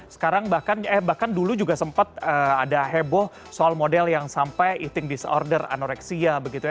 sekarang bahkan dulu juga sempat ada heboh soal model yang sampai eating disorder anoreksia begitu ya